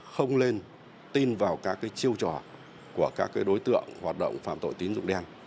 không nên tin vào các chiêu trò của các đối tượng hoạt động phạm tội tín dụng đen